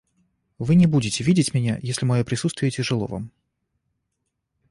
Вы не будете видеть меня, если мое присутствие тяжело вам.